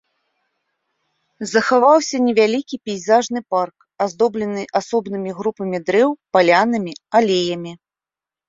Захаваўся невялікі пейзажны парк, аздоблены асобнымі групамі дрэў, палянамі, алеямі.